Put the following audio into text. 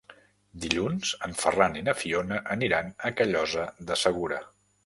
Dilluns en Ferran i na Fiona aniran a Callosa de Segura.